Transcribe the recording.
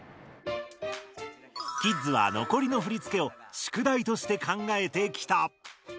キッズは残りの振付を宿題として考えてきた。